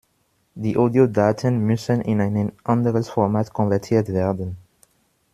Die Audiodaten müssen in ein anderes Format konvertiert werden.